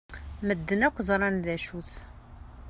Medden akk ẓran d acu-t.